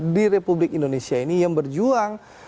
di republik indonesia ini yang berjuang